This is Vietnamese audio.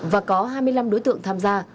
và có hai mươi năm đối tượng tham gia